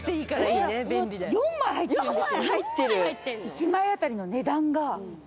１枚当たりの値段が。